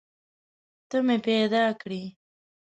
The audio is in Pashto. ته مې پیدا کړي